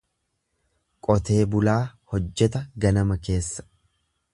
Qotee bulaa hojjeta ganama keessa.